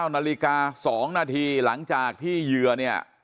๙นาฬิกา๒นาทีหลังจากที่เหยื่อเนี่ย